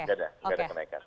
enggak ada kenaikan